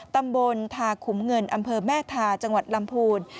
ตำบลทาขุมเงินอำเภอแม่ทาจังหวัดลำพูน